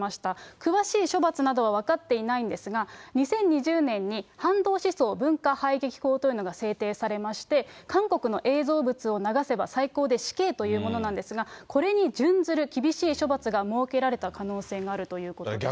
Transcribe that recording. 詳しい処罰などは分かっていないんですが、２０２０年に、反動思想文化はいげき法というのが制定されまして、韓国の映像物を流せば、最高で死刑というものなんですが、これに準ずる厳しい処罰が設けられた可能性があるということです。